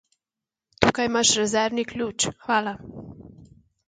Tukaj imaš rezervni ključ, hvala.